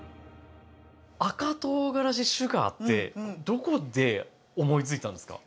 赤とうがらしシュガーってどこで思いついたんですか？